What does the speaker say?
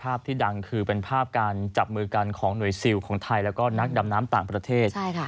ที่ดังคือเป็นภาพการจับมือกันของหน่วยซิลของไทยแล้วก็นักดำน้ำต่างประเทศ